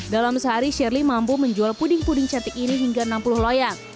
dalam sehari shirley mampu menjual puding puding cantik ini hingga enam puluh loyang